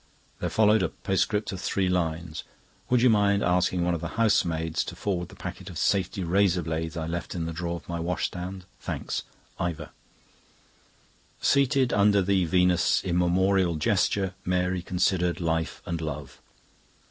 There followed a postscript of three lines: "Would you mind asking one of the housemaids to forward the packet of safety razor blades I left in the drawer of my washstand. Thanks. Ivor." Seated under the Venus's immemorial gesture, Mary considered life and love.